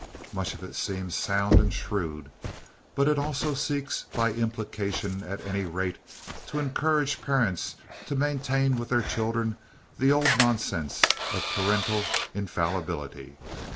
Much of it seems sound and shrewd, but it also seeks, by implication at any rate to encourage parents to maintain with their children the old nonsense of parental infallibility.